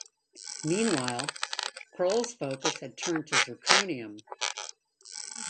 Meanwhile, Kroll's focus had turned to zirconium.